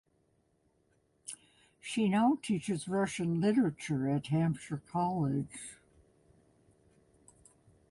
She now teaches Russian literature at Hampshire College.